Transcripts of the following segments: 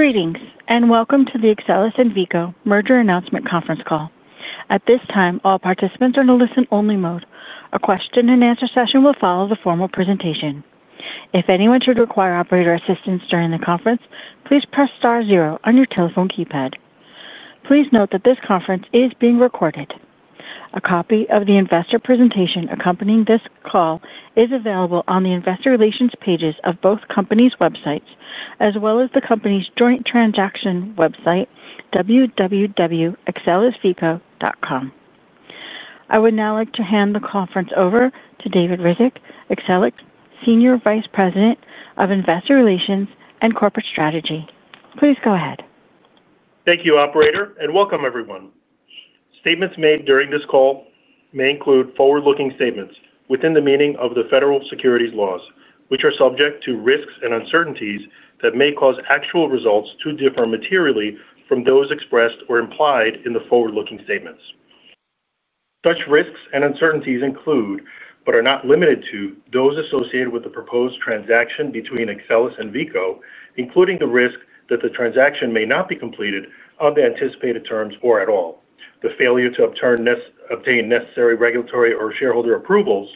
Greetings and welcome to the Axcelis and Veeco merger announcement conference call. At this time, all participants are in a listen-only mode. A question and answer session will follow the formal presentation. If anyone should require operator assistance during the conference, please press star zero on your telephone keypad. Please note that this conference is being recorded. A copy of the investor presentation accompanying this call is available on the investor relations pages of both companies' websites, as well as the companies' joint transaction website, www.axcelis-veeco.com. I would now like to hand the conference over to David Ryzhik, Axcelis Senior Vice President of Investor Relations and Corporate Strategy. Please go ahead. Thank you, Operator, and welcome, everyone. Statements made during this call may include forward-looking statements within the meaning of the federal securities laws, which are subject to risks and uncertainties that may cause actual results to differ materially from those expressed or implied in the forward-looking statements. Such risks and uncertainties include, but are not limited to, those associated with the proposed transaction between Axcelis and Veeco, including the risk that the transaction may not be completed on the anticipated terms or at all, the failure to obtain necessary regulatory or shareholder approvals,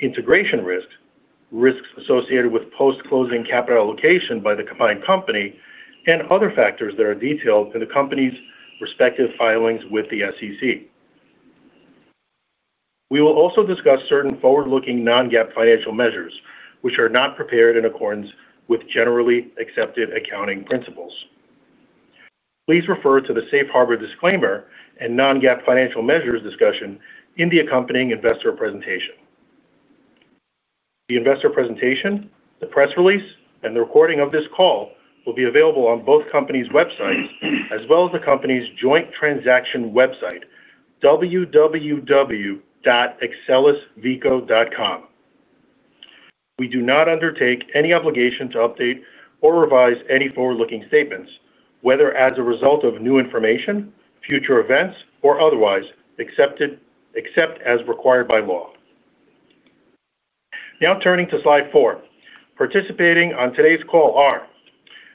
integration risks, risks associated with post-closing capital allocation by the combined company, and other factors that are detailed in the companies' respective filings with the SEC. We will also discuss certain forward-looking non-GAAP financial measures, which are not prepared in accordance with generally accepted accounting principles. Please refer to the Safe Harbor disclaimer and non-GAAP financial measures discussion in the accompanying investor presentation. The investor presentation, the press release, and the recording of this call will be available on both companies' websites, as well as the companies' joint transaction website, www.axcelis-veeco.com. We do not undertake any obligation to update or revise any forward-looking statements, whether as a result of new information, future events, or otherwise, except as required by law. Now turning to slide four, participating on today's call are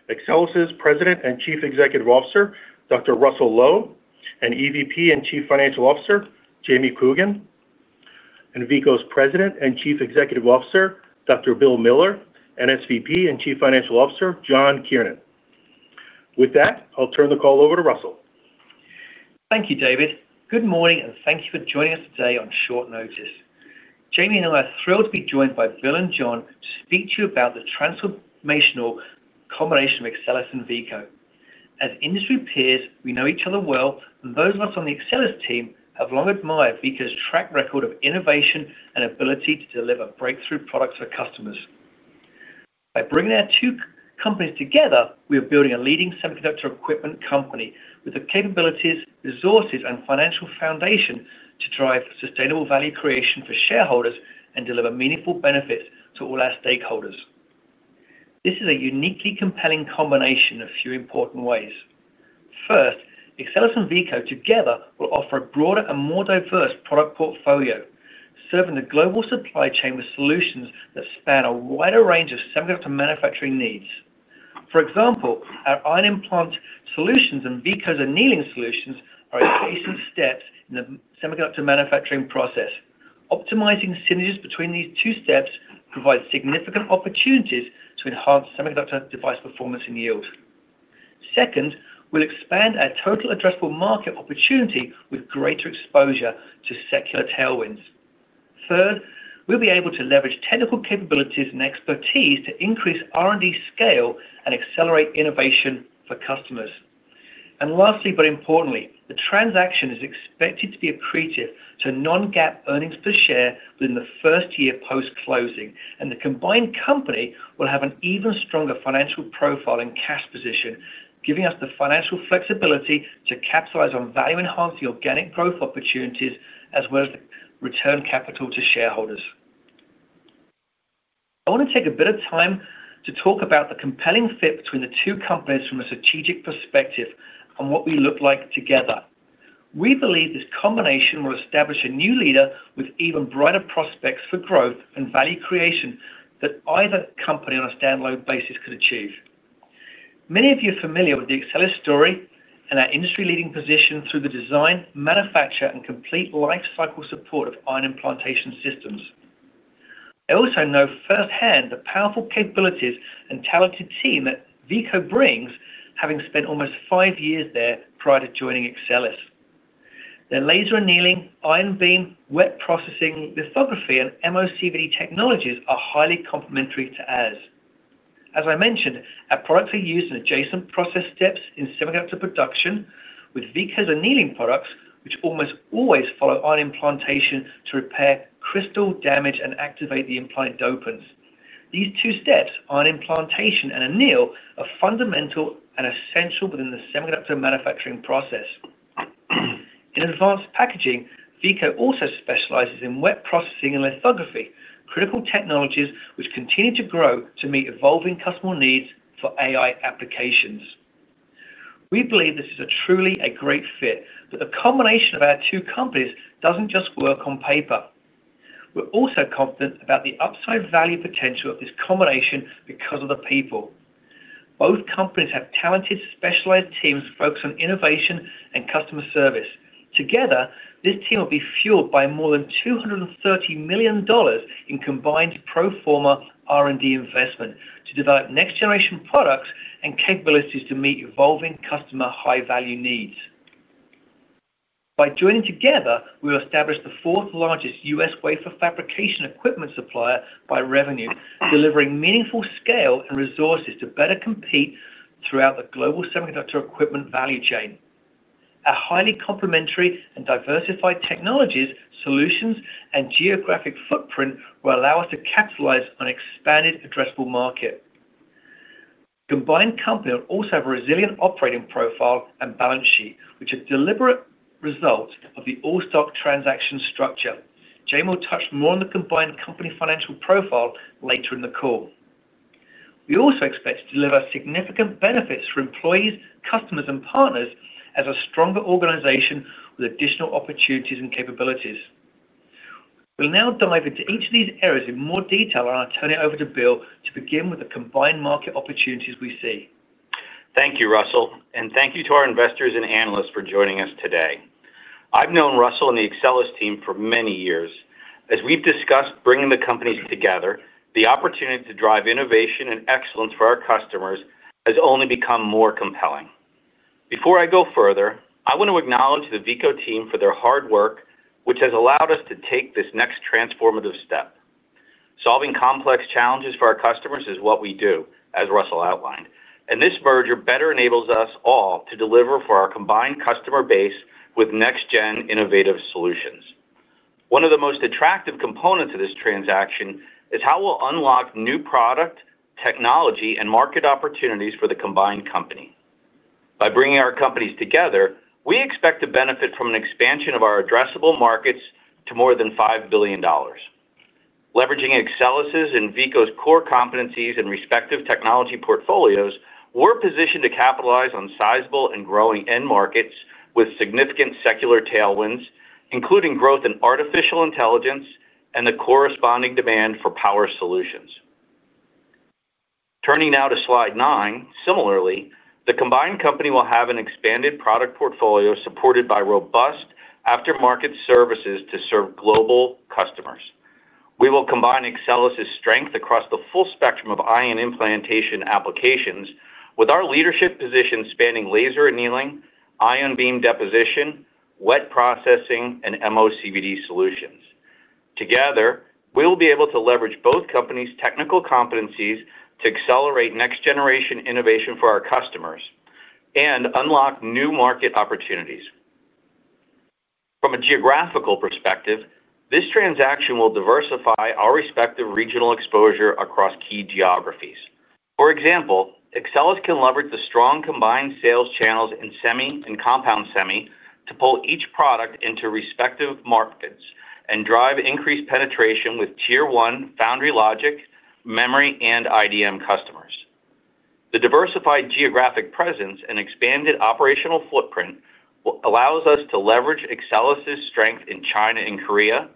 Axcelis' President and Chief Executive Officer, Dr. Russell Low, and EVP and Chief Financial Officer, James Coogan, and Veeco's President and Chief Executive Officer, Dr. Bill Miller, and SVP and Chief Financial Officer, John Kiernan. With that, I'll turn the call over to Russell. Thank you, David. Good morning, and thank you for joining us today on short notice. James and I are thrilled to be joined by Bill and John to speak to you about the transformational combination of Axcelis and Veeco. As industry peers, we know each other well, and those of us on the Axcelis team have long admired Veeco's track record of innovation and ability to deliver breakthrough products for customers. By bringing our two companies together, we are building a leading semiconductor equipment company with the capabilities, resources, and financial foundation to drive sustainable value creation for shareholders and deliver meaningful benefits to all our stakeholders. This is a uniquely compelling combination in a few important ways. First, Axcelis and Veeco together will offer a broader and more diverse product portfolio, serving the global supply chain with solutions that span a wider range of semiconductor manufacturing needs. For example, our ion implant solutions and Veeco's annealing solutions are adjacent steps in the semiconductor manufacturing process. Optimizing synergies between these two steps provides significant opportunities to enhance semiconductor device performance and yield. Second, we'll expand our total addressable market opportunity with greater exposure to secular tailwinds. Third, we'll be able to leverage technical capabilities and expertise to increase R&D scale and accelerate innovation for customers. Lastly, the transaction is expected to be accretive to non-GAAP EPS within the first year post-closing, and the combined company will have an even stronger financial profile and cash position, giving us the financial flexibility to capitalize on value-enhancing organic growth opportunities, as well as to return capital to shareholders. I want to take a bit of time to talk about the compelling fit between the two companies from a strategic perspective and what we look like together. We believe this combination will establish a new leader with even brighter prospects for growth and value creation than either company on a standalone basis could achieve. Many of you are familiar with the Axcelis story and our industry leading position through the design, manufacture, and complete life cycle support of ion implantation systems. I also know firsthand the powerful capabilities and talented team that Veeco brings, having spent almost five years there prior to joining Axcelis. The laser annealing, ion beam, wet processing, lithography, and MOCVD technologies are highly complementary to ours. As I mentioned, our products are used in adjacent process steps in semiconductor production, with Veeco's annealing products, which almost always follow ion implantation to repair crystal damage and activate the implant dopants. These two steps, ion implantation and anneal, are fundamental and essential within the semiconductor manufacturing process. In advanced packaging, Veeco also specializes in wet processing and lithography, critical technologies which continue to grow to meet evolving customer needs for AI applications. We believe this is truly a great fit, but the combination of our two companies doesn't just work on paper. We're also confident about the upside value potential of this combination because of the people. Both companies have talented specialized teams focused on innovation and customer service. Together, this team will be fueled by more than $230 million in combined pro forma R&D investment to develop next-generation products and capabilities to meet evolving customer high-value needs. By joining together, we will establish the fourth largest U.S. wafer fabrication equipment supplier by revenue, delivering meaningful scale and resources to better compete throughout the global semiconductor equipment value chain. Our highly complementary and diversified technologies, solutions, and geographic footprint will allow us to capitalize on an expanded addressable market. The combined company will also have a resilient operating profile and balance sheet, which are deliberate results of the all-stock transaction structure. James will touch more on the combined company financial profile later in the call. We also expect to deliver significant benefits for employees, customers, and partners as a stronger organization with additional opportunities and capabilities. We'll now dive into each of these areas in more detail and I'll turn it over to Bill to begin with the combined market opportunities we see. Thank you, Russell, and thank you to our investors and analysts for joining us today. I've known Russell and the Axcelis team for many years. As we've discussed bringing the companies together, the opportunity to drive innovation and excellence for our customers has only become more compelling. Before I go further, I want to acknowledge the Veeco team for their hard work, which has allowed us to take this next transformative step. Solving complex challenges for our customers is what we do, as Russell outlined, and this merger better enables us all to deliver for our combined customer base with next-gen innovative solutions. One of the most attractive components of this transaction is how we'll unlock new product, technology, and market opportunities for the combined company. By bringing our companies together, we expect to benefit from an expansion of our addressable markets to more than $5 billion. Leveraging Axcelis' and Veeco's core competencies and respective technology portfolios, we're positioned to capitalize on sizable and growing end markets with significant secular tailwinds, including growth in AI and the corresponding demand for power solutions. Turning now to slide nine, similarly, the combined company will have an expanded product portfolio supported by robust aftermarket services to serve global customers. We will combine Axcelis' strength across the full spectrum of ion implantation applications with our leadership position spanning laser annealing, ion beam deposition, wet processing, and MOCVD solutions. Together, we'll be able to leverage both companies' technical competencies to accelerate next-generation innovation for our customers and unlock new market opportunities. From a geographical perspective, this transaction will diversify our respective regional exposure across key geographies. For example, Axcelis can leverage the strong combined sales channels in semi and compound semi to pull each product into respective markets and drive increased penetration with Tier 1 foundry logic, memory, and IDM customers. The diversified geographic presence and expanded operational footprint allow us to leverage Axcelis' strength in China and Korea,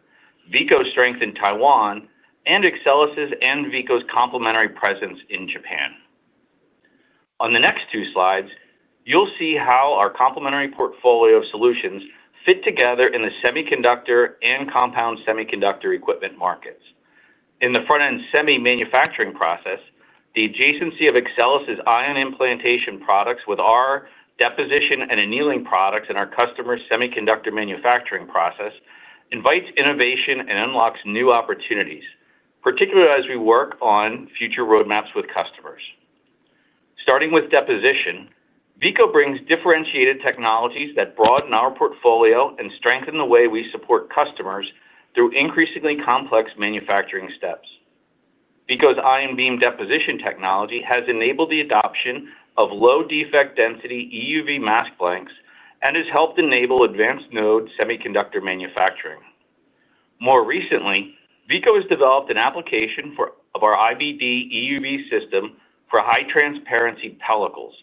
Veeco's strength in Taiwan, and Axcelis' and Veeco's complementary presence in Japan. On the next two slides, you'll see how our complementary portfolio of solutions fit together in the semiconductor and compound semiconductor equipment markets. In the front-end semi manufacturing process, the adjacency of Axcelis' ion implantation products with our deposition and annealing products in our customer's semiconductor manufacturing process invites innovation and unlocks new opportunities, particularly as we work on future roadmaps with customers. Starting with deposition, Veeco brings differentiated technologies that broaden our portfolio and strengthen the way we support customers through increasingly complex manufacturing steps. Veeco's ion beam deposition technology has enabled the adoption of low-defect density EUV mask blanks and has helped enable advanced node semiconductor manufacturing. More recently, Veeco has developed an application for our IBD EUV system for high-transparency pellicles.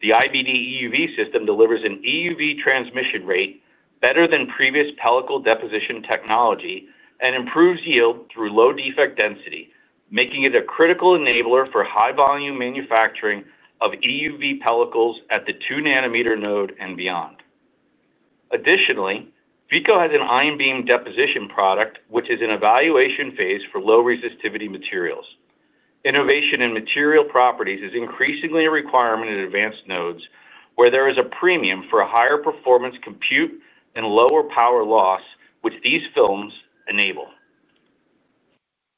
The IBD EUV system delivers an EUV transmission rate better than previous pellicle deposition technology and improves yield through low-defect density, making it a critical enabler for high-volume manufacturing of EUV pellicles at the 2 nanometer node and beyond. Additionally, Veeco has an ion beam deposition product, which is in evaluation phase for low-resistivity materials. Innovation in material properties is increasingly a requirement in advanced nodes where there is a premium for a higher performance compute and lower power loss, which these films enable.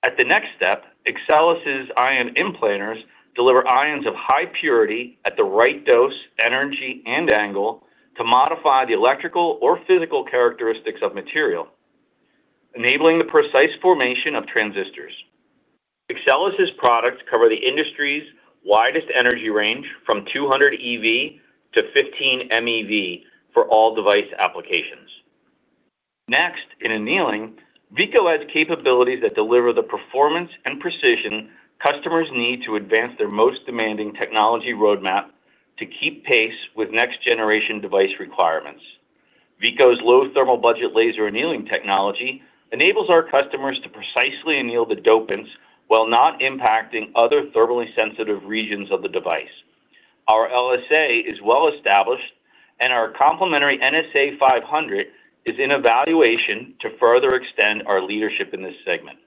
At the next step, Axcelis' ion implanters deliver ions of high purity at the right dose, energy, and angle to modify the electrical or physical characteristics of material, enabling the precise formation of transistors. Axcelis' products cover the industry's widest energy range from 200 eV to 15 MeV for all device applications. Next, in annealing, Veeco adds capabilities that deliver the performance and precision customers need to advance their most demanding technology roadmap to keep pace with next-generation device requirements. Veeco's low-thermal budget laser annealing technology enables our customers to precisely anneal the dopants while not impacting other thermally sensitive regions of the device. Our LSA is well established, and our complementary NSA 500 is in evaluation to further extend our leadership in this segment.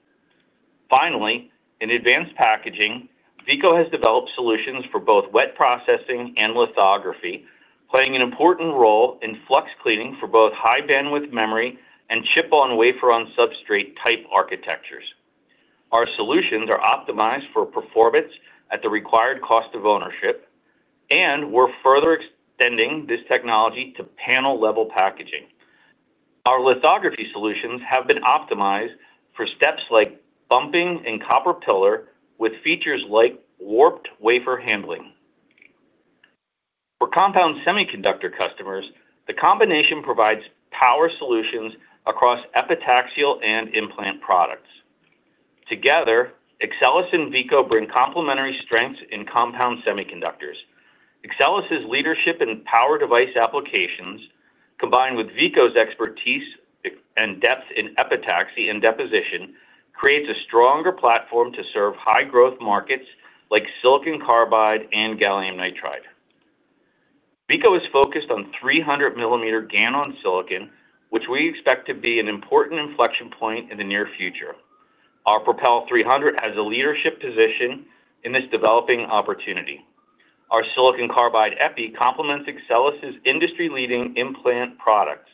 Finally, in advanced packaging, Veeco has developed solutions for both wet processing and lithography, playing an important role in flux cleaning for both high-bandwidth memory and chip-on wafer-on substrate type architectures. Our solutions are optimized for performance at the required cost of ownership, and we're further extending this technology to panel-level packaging. Our lithography solutions have been optimized for steps like bumping and copper pillar, with features like warped wafer handling. For compound semiconductor customers, the combination provides power solutions across epitaxial and implant products. Together, Axcelis and Veeco bring complementary strengths in compound semiconductors. Axcelis' leadership in power device applications, combined with Veeco's expertise and depth in epitaxy and deposition, creates a stronger platform to serve high-growth markets like silicon carbide and gallium nitride. Veeco is focused on 300 mm GaN on silicon, which we expect to be an important inflection point in the near future. Our Propel 300 has a leadership position in this developing opportunity. Our silicon carbide epi complements Axcelis' industry-leading implant products,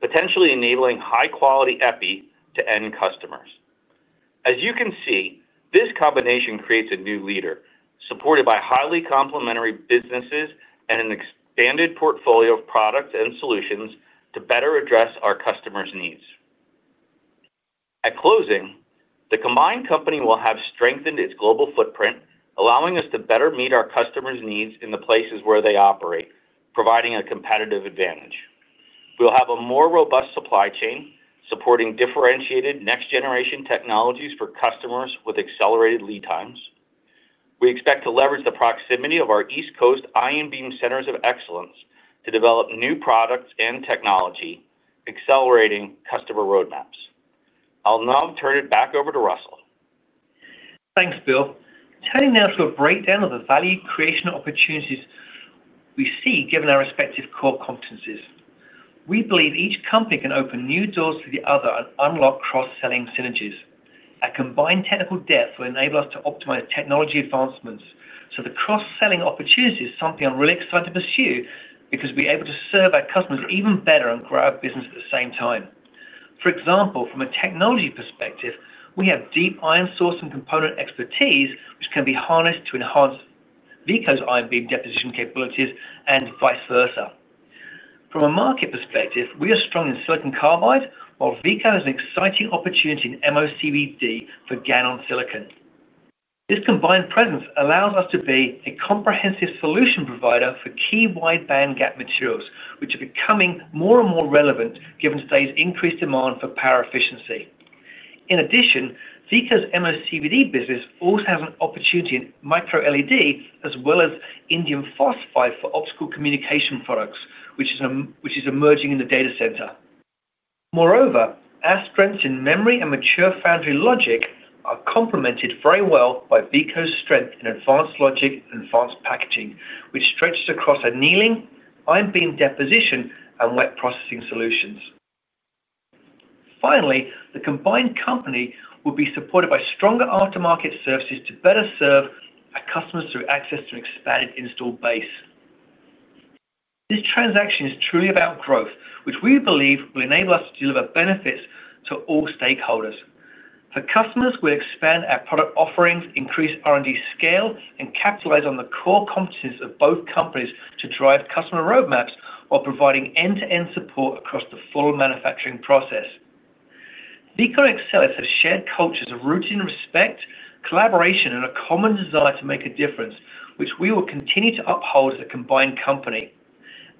potentially enabling high-quality epi to end customers. As you can see, this combination creates a new leader, supported by highly complementary businesses and an expanded portfolio of products and solutions to better address our customers' needs. At closing, the combined company will have strengthened its global footprint, allowing us to better meet our customers' needs in the places where they operate, providing a competitive advantage. We'll have a more robust supply chain, supporting differentiated next-generation technologies for customers with accelerated lead times. We expect to leverage the proximity of our East Coast ion beam centers of excellence to develop new products and technology, accelerating customer roadmaps. I'll now turn it back over to Russell. Thanks, Bill. Turning now to a breakdown of the value creation opportunities we see given our respective core competencies. We believe each company can open new doors to the other and unlock cross-selling synergies. A combined technical depth will enable us to optimize technology advancements. The cross-selling opportunity is something I'm really excited to pursue because we're able to serve our customers even better and grow our business at the same time. For example, from a technology perspective, we have deep ion source and component expertise, which can be harnessed to enhance Veeco's ion beam deposition capabilities and vice versa. From a market perspective, we are strong in silicon carbide, while Veeco has an exciting opportunity in MOCVD for GaN on silicon. This combined presence allows us to be a comprehensive solution provider for key wideband gap materials, which are becoming more and more relevant given today's increased demand for power efficiency. In addition, Veeco's MOCVD business also has an opportunity in micro-LED as well as indium phosphide for optical communication products, which is emerging in the data center. Moreover, our strengths in memory and mature foundry logic are complemented very well by Veeco's strength in advanced logic and advanced packaging, which stretches across annealing, ion beam deposition, and wet processing solutions. Finally, the combined company will be supported by stronger aftermarket services to better serve our customers through access to an expanded install base. This transaction is truly about growth, which we believe will enable us to deliver benefits to all stakeholders. For customers, we'll expand our product offerings, increase R&D scale, and capitalize on the core competencies of both companies to drive customer roadmaps while providing end-to-end support across the full manufacturing process. Veeco and Axcelis have shared cultures of rooting respect, collaboration, and a common desire to make a difference, which we will continue to uphold as a combined company.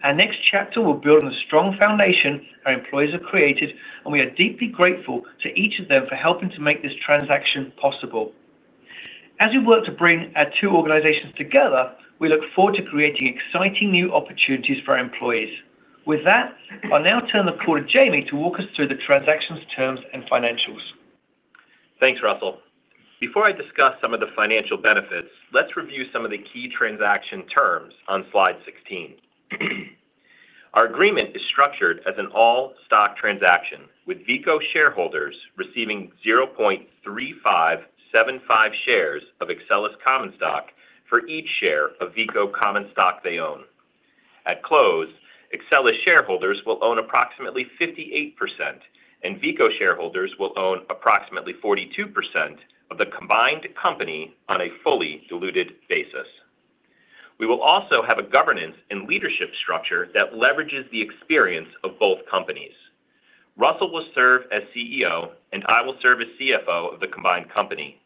Our next chapter will build on the strong foundation our employees have created, and we are deeply grateful to each of them for helping to make this transaction possible. As we work to bring our two organizations together, we look forward to creating exciting new opportunities for our employees. With that, I'll now turn the call to James to walk us through the transaction's terms and financials. Thanks, Russell. Before I discuss some of the financial benefits, let's review some of the key transaction terms on slide 16. Our agreement is structured as an all-stock transaction, with Veeco shareholders receiving 0.3575 shares of Axcelis Common Stock for each share of Veeco Common Stock they own. At close, Axcelis shareholders will own approximately 58%, and Veeco shareholders will own approximately 42% of the combined company on a fully diluted basis. We will also have a governance and leadership structure that leverages the experience of both companies. Russell will serve as CEO, and I will serve as CFO of the combined company.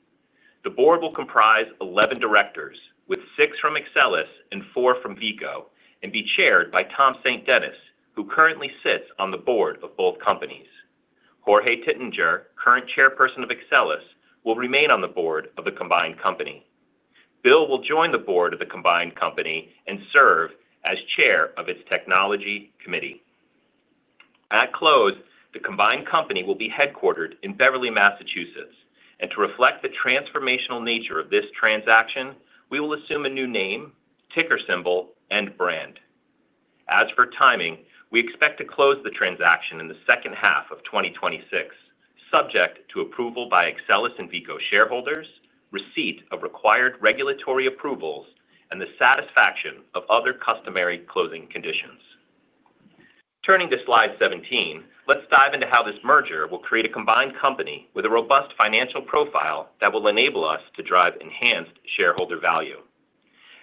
The board will comprise 11 directors, with six from Axcelis and four from Veeco, and be chaired by Tom St. Dennis, who currently sits on the board of both companies. Jorge Titinger, current Chairperson of Axcelis, will remain on the board of the combined company. Bill will join the board of the combined company and serve as Chair of its Technology Committee. At close, the combined company will be headquartered in Beverly, Massachusetts, and to reflect the transformational nature of this transaction, we will assume a new name, ticker symbol, and brand. As for timing, we expect to close the transaction in the second half of 2026, subject to approval by Axcelis and Veeco shareholders, receipt of required regulatory approvals, and the satisfaction of other customary closing conditions. Turning to slide 17, let's dive into how this merger will create a combined company with a robust financial profile that will enable us to drive enhanced shareholder value.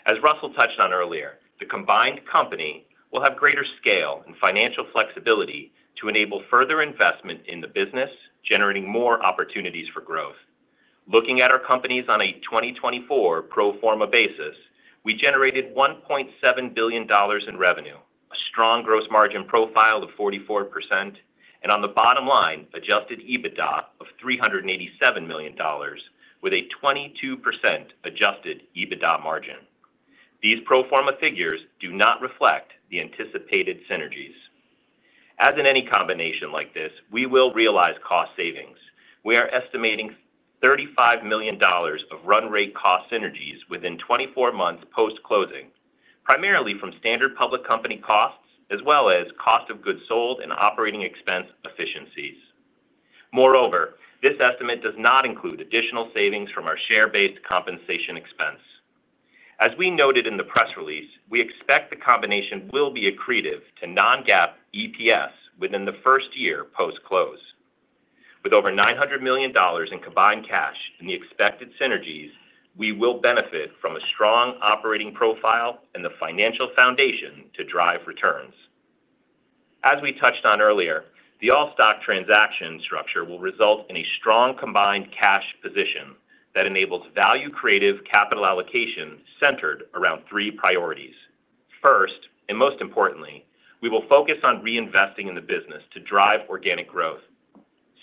As Russell touched on earlier, the combined company will have greater scale and financial flexibility to enable further investment in the business, generating more opportunities for growth. Looking at our companies on a 2024 pro forma basis, we generated $1.7 billion in revenue, a strong gross margin profile of 44%, and on the bottom line, adjusted EBITDA of $387 million, with a 22% adjusted EBITDA margin. These pro forma figures do not reflect the anticipated synergies. As in any combination like this, we will realize cost savings. We are estimating $35 million of run-rate cost synergies within 24 months post-closing, primarily from standard public company costs, as well as cost of goods sold and operating expense efficiencies. Moreover, this estimate does not include additional savings from our share-based compensation expense. As we noted in the press release, we expect the combination will be accretive to non-GAAP EPS within the first year post-close. With over $900 million in combined cash and the expected synergies, we will benefit from a strong operating profile and the financial foundation to drive returns. As we touched on earlier, the all-stock transaction structure will result in a strong combined cash position that enables value-creative capital allocation centered around three priorities. First, and most importantly, we will focus on reinvesting in the business to drive organic growth.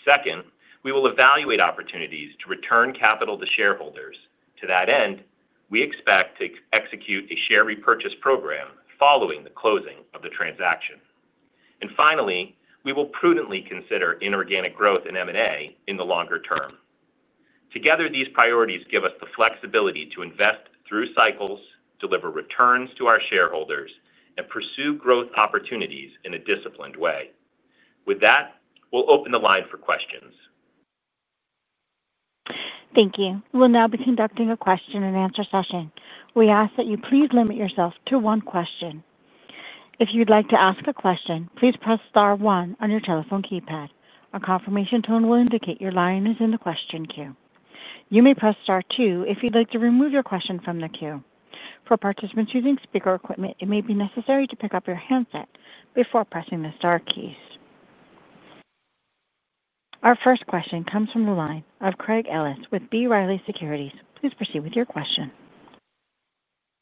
Second, we will evaluate opportunities to return capital to shareholders. To that end, we expect to execute a share repurchase program following the closing of the transaction. Finally, we will prudently consider inorganic growth and M&A in the longer term. Together, these priorities give us the flexibility to invest through cycles, deliver returns to our shareholders, and pursue growth opportunities in a disciplined way. With that, we'll open the line for questions. Thank you. We'll now be conducting a question-and-answer session. We ask that you please limit yourself to one question. If you'd like to ask a question, please press star one on your telephone keypad. A confirmation tone will indicate your line is in the question queue. You may press star two if you'd like to remove your question from the queue. For participants using speaker equipment, it may be necessary to pick up your handset before pressing the star keys. Our first question comes from the line of Craig Ellis with B. Riley Securities. Please proceed with your question.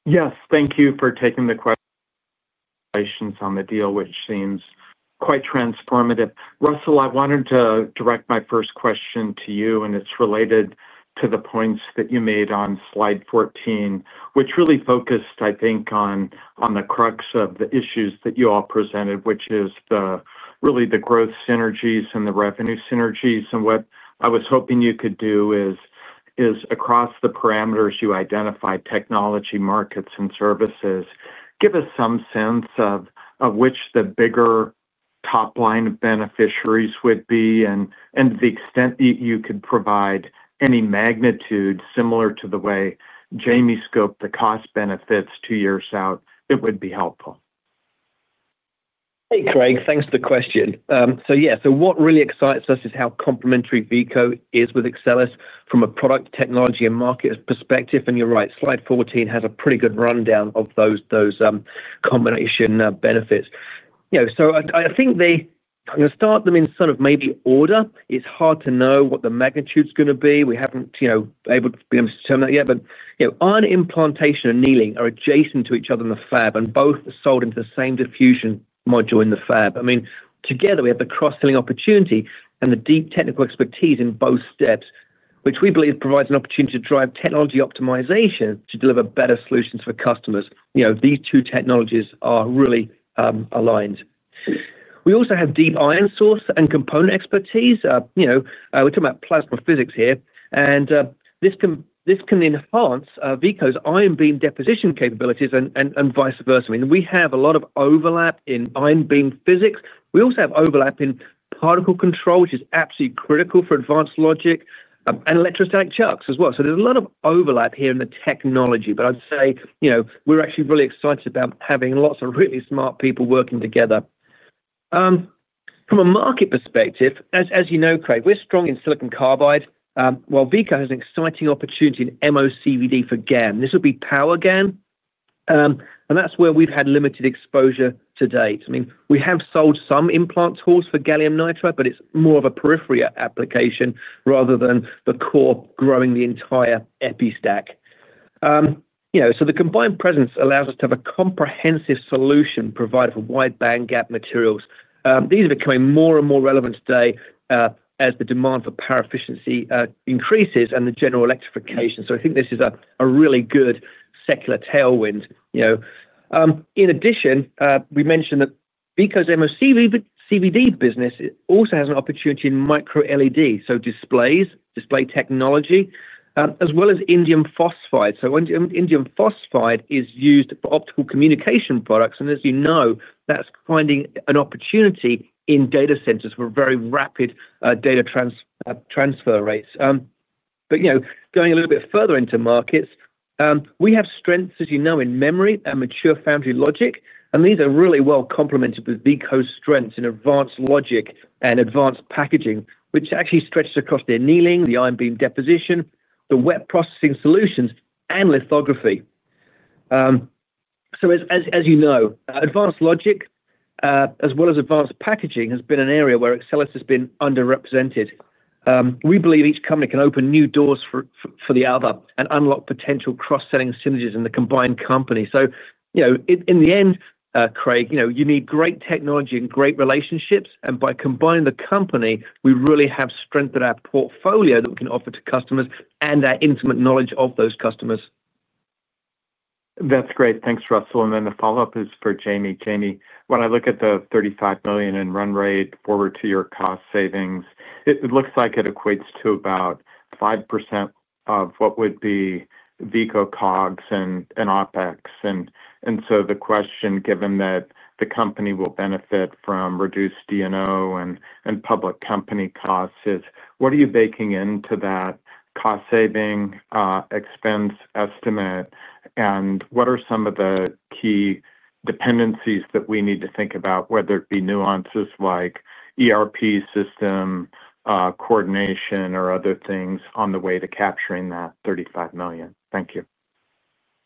Yes, thank you for taking the questions on the deal, which seems quite transformative. Russell, I wanted to direct my first question to you, and it's related to the points that you made on slide 14, which really focused, I think, on the crux of the issues that you all presented, which is really the growth synergies and the revenue synergies. What I was hoping you could do is across the parameters you identified, technology, markets, and services, give us some sense of which the bigger top line of beneficiaries would be. To the extent that you could provide any magnitude similar to the way James scoped the cost benefits two years out, it would be helpful. Thanks, Craig. Thanks for the question. What really excites us is how complementary Veeco is with Axcelis from a product, technology, and market perspective. You're right, slide 14 has a pretty good rundown of those combination benefits. I think they start them in sort of maybe order. It's hard to know what the magnitude is going to be. We haven't been able to determine that yet, but ion implantation and annealing are adjacent to each other in the fab, and both are sold into the same diffusion module in the fab. Together we have the cross-selling opportunity and the deep technical expertise in both steps, which we believe provides an opportunity to drive technology optimization to deliver better solutions for customers. These two technologies are really aligned. We also have deep ion source and component expertise. We're talking about plasma physics here, and this can enhance Veeco's ion beam deposition capabilities and vice versa. We have a lot of overlap in ion beam physics. We also have overlap in particle control, which is absolutely critical for advanced logic and electrostatic chucks as well. There's a lot of overlap here in the technology, but I'd say we're actually really excited about having lots of really smart people working together. From a market perspective, as you know, Craig, we're strong in silicon carbide, while Veeco has an exciting opportunity in MOCVD for GaN. This would be power GaN, and that's where we've had limited exposure to date. We have sold some implant tools for gallium nitride, but it's more of a periphery application rather than the core growing the entire epi stack. The combined presence allows us to have a comprehensive solution provided for wideband gap materials. These are becoming more and more relevant today as the demand for power efficiency increases and the general electrification. I think this is a really good secular tailwind. In addition, we mentioned that Veeco's MOCVD business also has an opportunity in micro-LED, so displays, display technology, as well as indium phosphide. Indium phosphide is used for optical communication products, and as you know, that's finding an opportunity in data centers for very rapid data transfer rates. Going a little bit further into markets, we have strengths, as you know, in memory and mature foundry logic, and these are really well complemented with Veeco's strengths in advanced logic and advanced packaging, which actually stretches across the annealing, the ion beam deposition, the wet processing solutions, and lithography. As you know, advanced logic as well as advanced packaging has been an area where Axcelis has been underrepresented. We believe each company can open new doors for the other and unlock potential cross-selling synergies in the combined company. In the end, Craig, you need great technology and great relationships, and by combining the company, we really have strengthened our portfolio that we can offer to customers and our intimate knowledge of those customers. That's great. Thanks, Russell. The follow-up is for James. James, when I look at the $35 million in run-rate forward to your cost savings, it looks like it equates to about 5% of what would be Veeco COGS and OpEx. The question, given that the company will benefit from reduced D&O and public company costs, is what are you baking into that cost saving expense estimate? What are some of the key dependencies that we need to think about, whether it be nuances like ERP system, coordination, or other things on the way to capturing that $35 million? Thank you.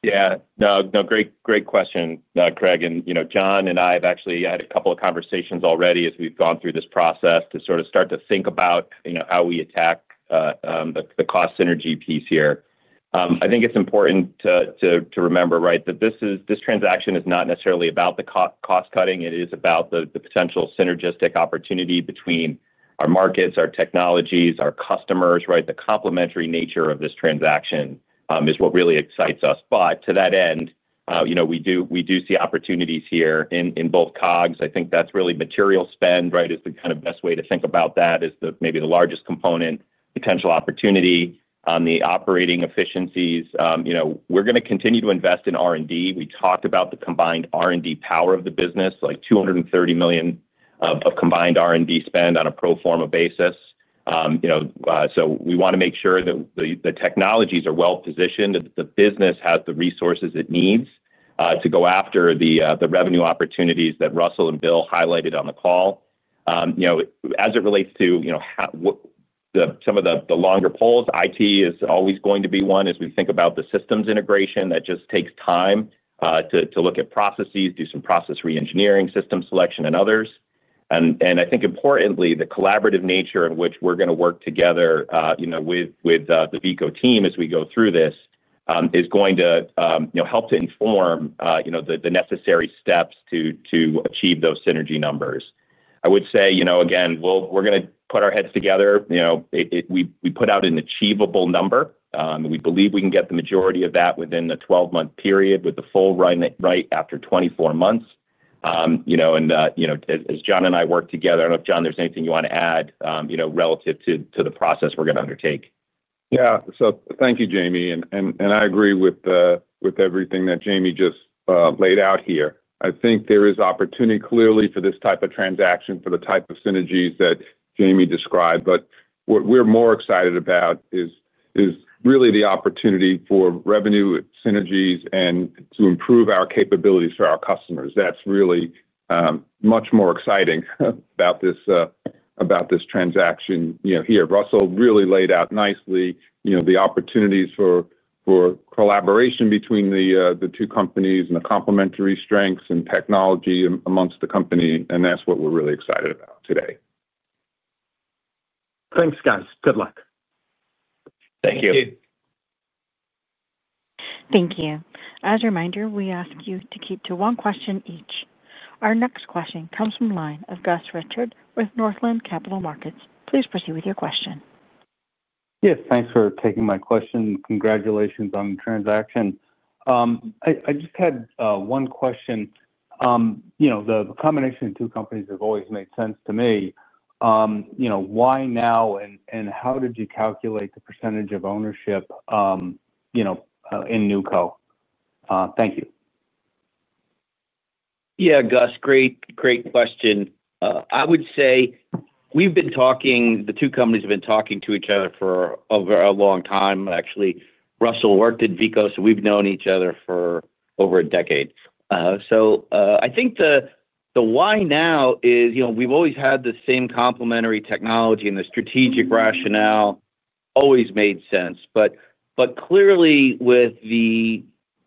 Yeah, no, great question, Craig. John and I have actually had a couple of conversations already as we've gone through this process to sort of start to think about how we attack the cost synergy piece here. I think it's important to remember, right, that this transaction is not necessarily about the cost cutting. It is about the potential synergistic opportunity between our markets, our technologies, our customers, right? The complementary nature of this transaction is what really excites us. To that end, we do see opportunities here in both COGS. I think that's really material spend, right, is the kind of best way to think about that as maybe the largest component potential opportunity on the operating efficiencies. We're going to continue to invest in R&D. We talked about the combined R&D power of the business, like $230 million of combined R&D spend on a pro forma basis. We want to make sure that the technologies are well positioned, that the business has the resources it needs to go after the revenue opportunities that Russell and Bill highlighted on the call. As it relates to some of the longer polls, IT is always going to be one as we think about the systems integration that just takes time to look at processes, do some process re-engineering, system selection, and others. I think importantly, the collaborative nature in which we're going to work together with the Veeco team as we go through this is going to help to inform the necessary steps to achieve those synergy numbers. I would say, again, we're going to put our heads together. We put out an achievable number. We believe we can get the majority of that within the 12-month period with the full run rate after 24 months. As John and I work together, I don't know if John, there's anything you want to add relative to the process we're going to undertake. Thank you, James. I agree with everything that James just laid out here. I think there is opportunity clearly for this type of transaction, for the type of synergies that James described. What we're more excited about is really the opportunity for revenue synergies and to improve our capabilities for our customers. That's really much more exciting about this transaction here. Russell really laid out nicely the opportunities for collaboration between the two companies and the complementary strengths and technology amongst the company. That's what we're really excited about today. Thanks, guys. Good luck. Thank you. Thank you. As a reminder, we ask you to keep to one question each. Our next question comes from the line of Gus Richard with Northland Capital Markets. Please proceed with your question. Yes, thanks for taking my question. Congratulations on the transaction. I just had one question. You know, the combination of two companies has always made sense to me. You know, why now and how did you calculate the percentage of ownership in [NuCo]? Thank you. Yeah, Gus, great question. I would say we've been talking, the two companies have been talking to each other for a long time. Actually, Russell worked at Veeco, so we've known each other for over a decade. I think the why now is, you know, we've always had the same complementary technology and the strategic rationale always made sense. Clearly, with the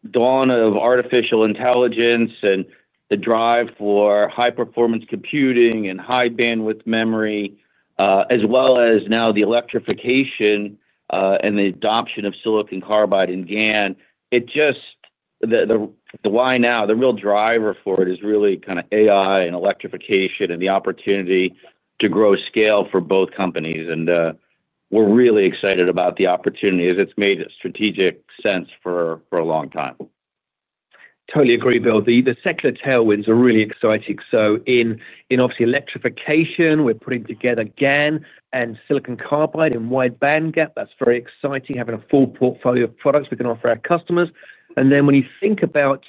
dawn of artificial intelligence and the drive for high-performance computing and high-bandwidth memory, as well as now the electrification and the adoption of silicon carbide and GaN, the why now, the real driver for it is really kind of AI and electrification and the opportunity to grow scale for both companies. We're really excited about the opportunity as it's made strategic sense for a long time. Totally agree, Bill. The secular tailwinds are really exciting. In electrification, we're putting together GaN and silicon carbide and wideband gap. That's very exciting, having a full portfolio of products we can offer our customers. When you think about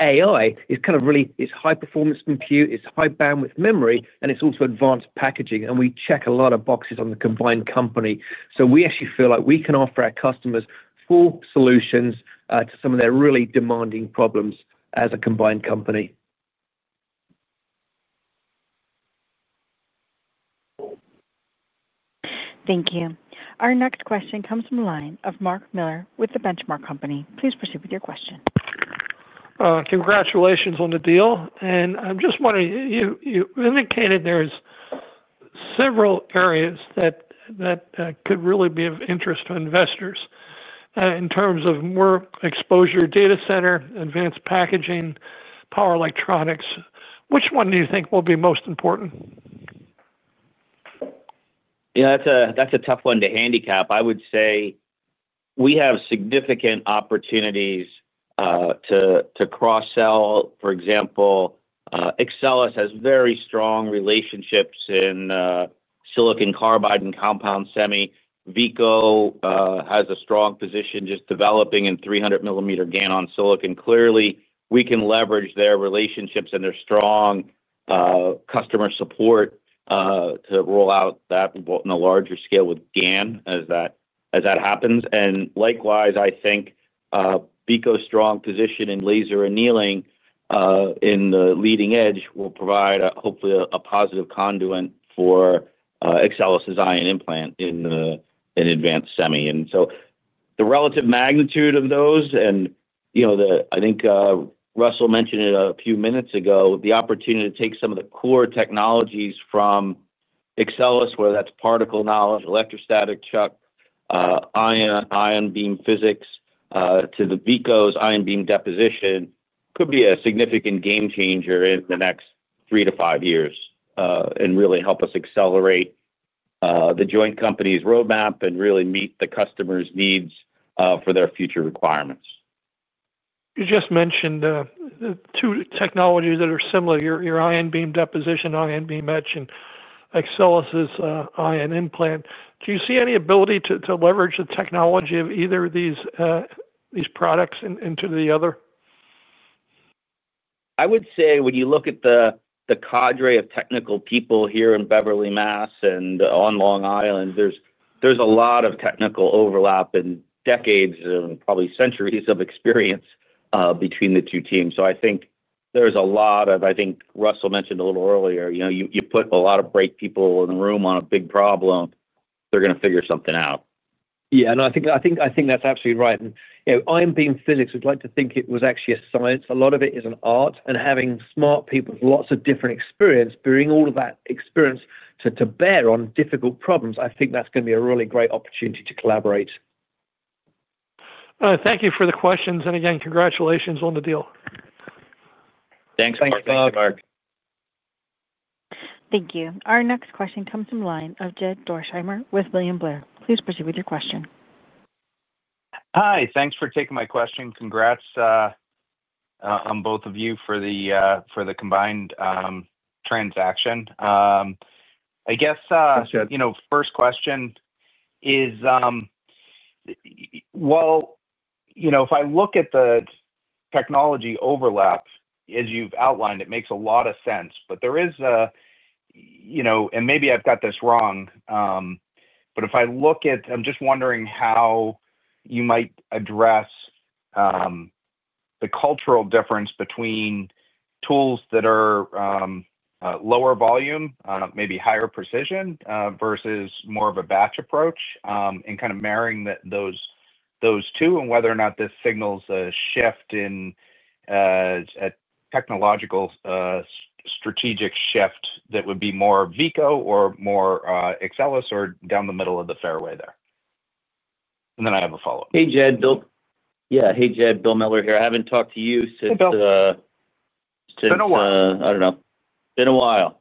AI, it's really high-performance compute, it's high-bandwidth memory, and it's also advanced packaging. We check a lot of boxes on the combined company. We actually feel like we can offer our customers full solutions to some of their really demanding problems as a combined company. Thank you. Our next question comes from the line of Mark Miller with The Benchmark Company. Please proceed with your question. Congratulations on the deal. I'm just wondering, you indicated there are several areas that could really be of interest to investors in terms of more exposure, data center, advanced packaging, power electronics. Which one do you think will be most important? Yeah, that's a tough one to handicap. I would say we have significant opportunities to cross-sell. For example, Axcelis has very strong relationships in silicon carbide and compound semi. Veeco has a strong position just developing in 300 mm GaN on silicon. Clearly, we can leverage their relationships and their strong customer support to roll out that in a larger scale with GaN as that happens. Likewise, I think Veeco's strong position in laser annealing in the leading edge will provide hopefully a positive conduit for Axcelis' ion implant in advanced semi. The relative magnitude of those, and I think Russell mentioned it a few minutes ago, the opportunity to take some of the core technologies from Axcelis, whether that's particle knowledge, electrostatic chuck, ion beam physics, to Veeco's ion beam deposition, could be a significant game changer in the next three to five years and really help us accelerate the joint company's roadmap and really meet the customer's needs for their future requirements. You just mentioned the two technologies that are similar, your ion beam deposition, ion beam edge, and Axcelis' ion implant. Do you see any ability to leverage the technology of either of these products into the other? I would say when you look at the cadre of technical people here in Beverly, Massachusetts, and on Long Island, there's a lot of technical overlap and decades and probably centuries of experience between the two teams. I think there's a lot of, I think Russell mentioned a little earlier, you know, you put a lot of bright people in the room on a big problem, they're going to figure something out. Yeah, no, I think that's absolutely right. Ion beam physics, we'd like to think it was actually a science. A lot of it is an art. Having smart people with lots of different experience bring all of that experience to bear on difficult problems, I think that's going to be a really great opportunity to collaborate. Thank you for the questions. Again, congratulations on the deal. Thanks, Mark. Thank you. Our next question comes from the line of Jed Dorsheimer with William Blair. Please proceed with your question. Hi, thanks for taking my question. Congrats to both of you for the combined transaction. I guess, first question is, if I look at the technology overlap, as you've outlined, it makes a lot of sense. There is a, and maybe I've got this wrong, but if I look at, I'm just wondering how you might address the cultural difference between tools that are lower volume, maybe higher precision versus more of a batch approach, and kind of marrying those two and whether or not this signals a shift in a technological strategic shift that would be more Veeco or more Axcelis or down the middle of the fairway there. I have a follow-up. Hey, Jed, Bill Miller here. I haven't talked to you since. Been a while. I don't know. Been a while.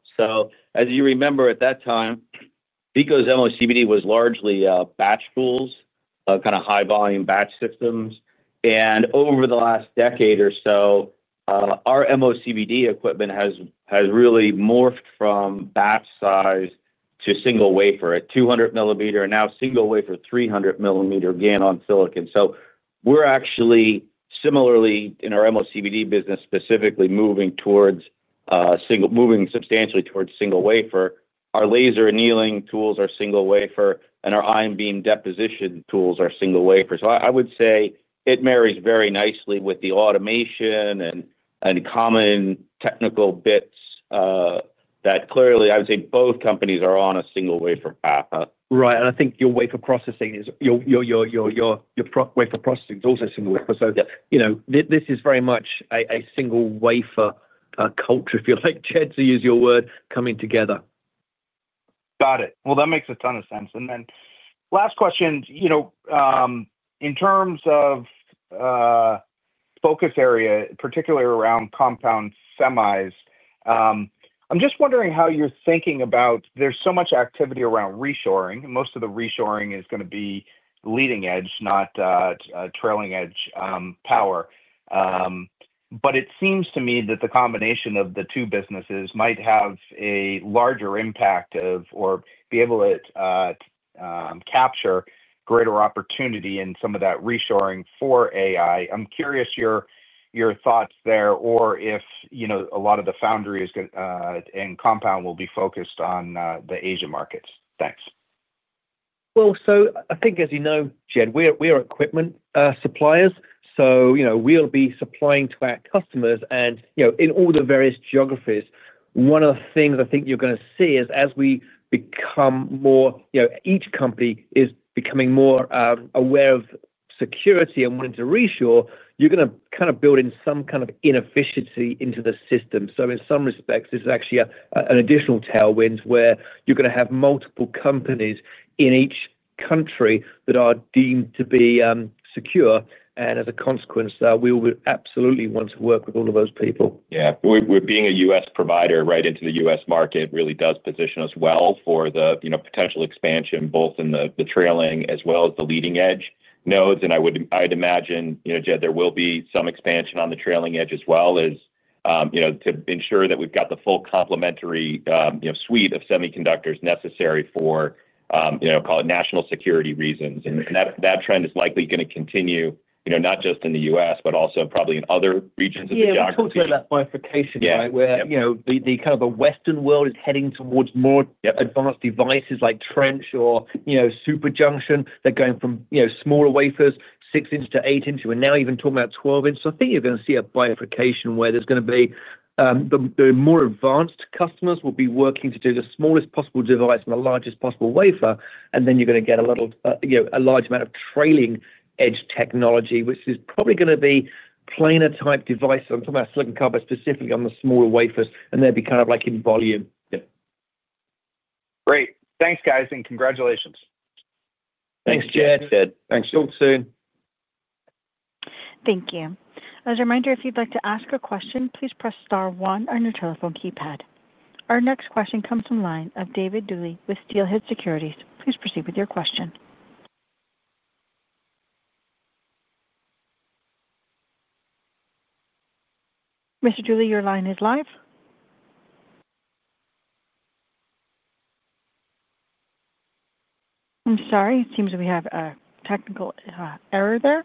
As you remember, at that time, Veeco's MOCVD was largely batch tools, kind of high-volume batch systems. Over the last decade or so, our MOCVD equipment has really morphed from batch size to single wafer at 200 millimeter and now single wafer 300 mm GaN on silicon. We're actually similarly in our MOCVD business specifically moving towards single, moving substantially towards single wafer. Our laser annealing tools are single wafer, and our ion beam deposition tools are single wafer. I would say it marries very nicely with the automation and common technical bits that clearly, I would say both companies are on a single wafer path. Right. I think your wafer processing is also single wafer. This is very much a single wafer culture, if you like, Jed, to use your word, coming together. That makes a ton of sense. Last question, in terms of focus area, particularly around compound semis, I'm just wondering how you're thinking about, there's so much activity around reshoring. Most of the reshoring is going to be leading edge, not trailing edge power. It seems to me that the combination of the two businesses might have a larger impact, or be able to capture greater opportunity in some of that reshoring for AI. I'm curious your thoughts there, or if a lot of the foundries and compound will be focused on the Asia markets. Thanks. I think, as you know, Jed, we are equipment suppliers. We will be supplying to our customers in all the various geographies. One of the things I think you're going to see is as we become more, you know, each company is becoming more aware of security and wanting to reshore, you're going to kind of build in some kind of inefficiency into the system. In some respects, this is actually an additional tailwind where you're going to have multiple companies in each country that are deemed to be secure. As a consequence, we will absolutely want to work with all of those people. Yeah, we're being a U.S. provider right into the U.S. market really does position us well for the potential expansion both in the trailing as well as the leading edge nodes. I would imagine, you know, Jed, there will be some expansion on the trailing edge as well as, you know, to ensure that we've got the full complementary suite of semiconductors necessary for, you know, call it national security reasons. That trend is likely going to continue, you know, not just in the U.S., but also probably in other regions of the. Yeah, we're talking about bifurcation, right? Where, you know, the kind of the Western world is heading towards more advanced devices like trench or, you know, super junction. They're going from, you know, smaller wafers, six inch to eight inch. We're now even talking about 12 in. I think you're going to see a bifurcation where there's going to be the more advanced customers working to do the smallest possible device and the largest possible wafer. You're going to get a large amount of trailing edge technology, which is probably going to be planar type devices. I'm talking about silicon carbide specifically on the smaller wafers, and they'll be kind of like in volume. Great. Thanks, guys, and congratulations. Thanks, Jed. Thanks, Jed. Thanks. Talk soon. Thank you. As a reminder, if you'd like to ask a question, please press star one on your telephone keypad. Our next question comes from the line of David Duley with Steelhead Securities. Please proceed with your question. I'm sorry. It seems we have a technical error there.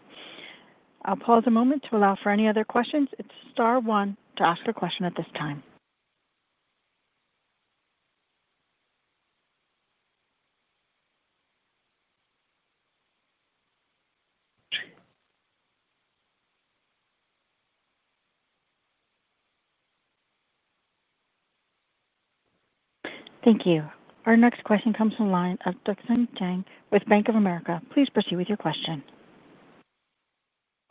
I'll pause a moment to allow for any other questions. It's star one to ask a question at this time. Thank you. Our next question comes from the line of Jack Chen with Bank of America. Please proceed with your question.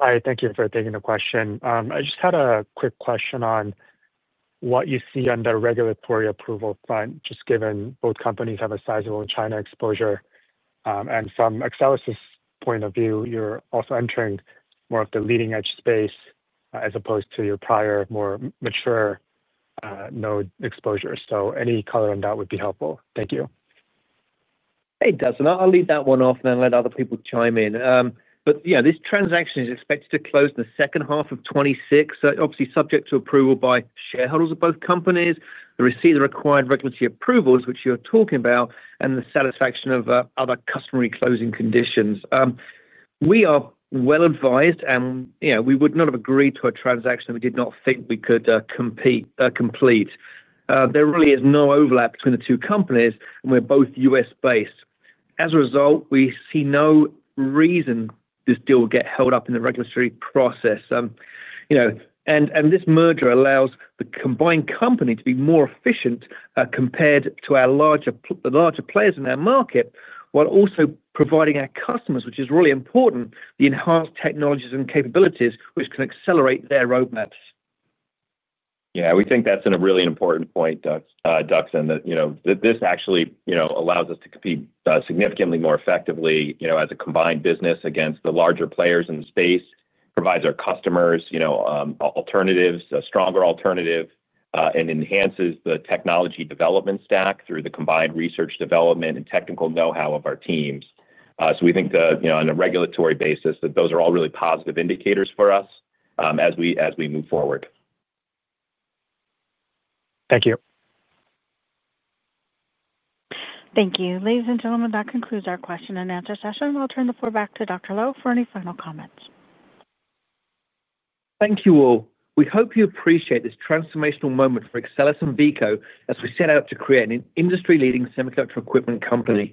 Hi, thank you for taking the question. I just had a quick question on what you see on the regulatory approval front, just given both companies have a sizable China exposure. From Axcelis's point of view, you're also entering more of the leading edge space as opposed to your prior, more mature node exposure. Any color on that would be helpful. Thank you. Hey, Jack. I'll lead that one off and then let other people chime in. This transaction is expected to close the second half of 2026. Obviously, subject to approval by shareholders of both companies, the receipt of the required regulatory approvals, which you're talking about, and the satisfaction of other customary closing conditions. We are well advised, and you know, we would not have agreed to a transaction that we did not think we could complete. There really is no overlap between the two companies, and we're both U.S. based. As a result, we see no reason this deal will get held up in the regulatory process. This merger allows the combined company to be more efficient compared to our larger players in our market, while also providing our customers, which is really important, the enhanced technologies and capabilities, which can accelerate their roadmaps. Yeah, we think that's a really important point, Jack, that this actually allows us to compete significantly more effectively as a combined business against the larger players in the space, provides our customers alternatives, a stronger alternative, and enhances the technology development stack through the combined research, development, and technical know-how of our teams. We think that on a regulatory basis, those are all really positive indicators for us as we move forward. Thank you. Thank you. Ladies and gentlemen, that concludes our question and answer session. We'll turn the floor back to Dr. Low for any final comments. Thank you all. We hope you appreciate this transformational moment for Axcelis and Veeco as we set out to create an industry-leading semiconductor equipment company.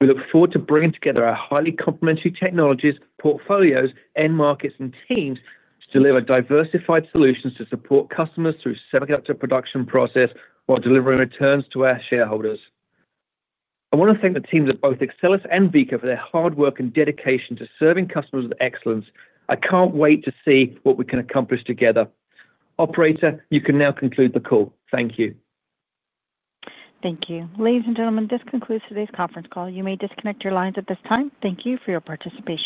We look forward to bringing together our highly complementary technologies, portfolios, end markets, and teams to deliver diversified solutions to support customers through the semiconductor production process while delivering returns to our shareholders. I want to thank the teams of both Axcelis and Veeco for their hard work and dedication to serving customers with excellence. I can't wait to see what we can accomplish together. Operator, you can now conclude the call. Thank you. Thank you. Ladies and gentlemen, this concludes today's conference call. You may disconnect your lines at this time. Thank you for your participation.